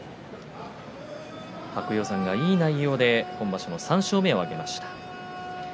白鷹山がいい内容で今場所の３勝目を挙げました。